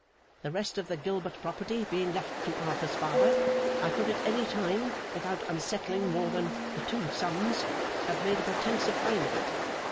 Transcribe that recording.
The rest of the Gilbert property being left to Arthur's father, I could at any time, without unsettling more than the two sums, have made a pretence of finding it.